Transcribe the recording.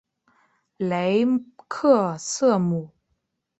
雷克瑟姆。